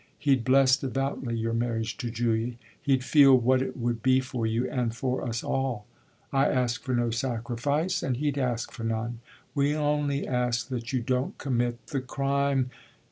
He'd bless devoutly your marriage to Julia; he'd feel what it would be for you and for us all. I ask for no sacrifice and he'd ask for none. We only ask that you don't commit the crime